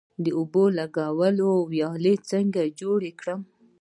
د اوبو لګولو ویالې څنګه جوړې کړم؟